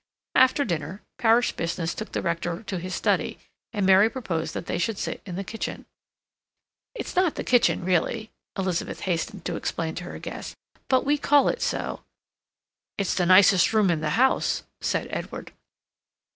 After dinner, parish business took the Rector to his study, and Mary proposed that they should sit in the kitchen. "It's not the kitchen really," Elizabeth hastened to explain to her guest, "but we call it so—" "It's the nicest room in the house," said Edward.